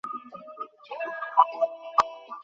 সাড়া দিন, star command.